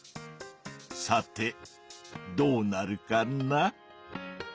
さてどうなるかな？